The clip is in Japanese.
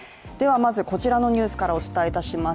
まずこちらのニュースからお伝えいたします。